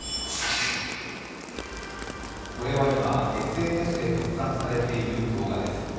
これは今、ＳＮＳで拡散されている動画です。